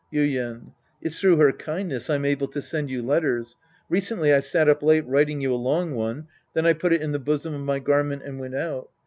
Yuien. It's through her kindness I'm able to send you letters. Recently I sat up late writing you a long one. Then I put it in the bosom of my gar ment and went out.